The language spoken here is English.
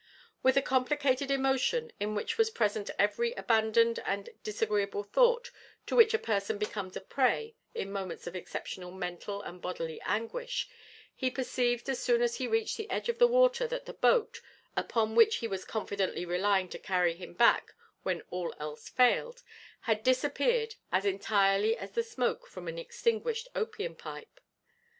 With a complicated emotion, in which was present every abandoned and disagreeable thought to which a person becomes a prey in moments of exceptional mental and bodily anguish, he perceived as soon as he reached the edge of the water that the boat, upon which he was confidently relying to carry him back when all else failed, had disappeared as entirely as the smoke from an extinguished opium pipe.